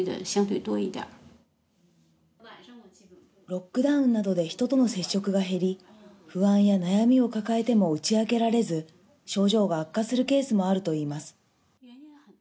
ロックダウンなどで人との接触が減り、不安や悩みを抱えても打ち明けられず、症状が悪化するケースもあるといいます。